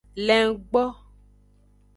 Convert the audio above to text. Lengbo.